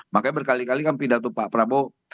makanya berkali kali kan pidato pak prabowo